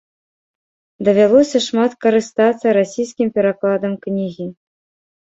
Давялося шмат карыстацца расійскім перакладам кнігі.